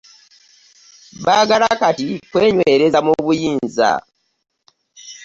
Baagaala kati kwenywereza mu buyinza.